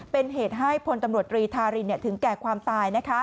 เป็นเหตุให้พลตำรวจตรีทารินถึงแก่ความตาย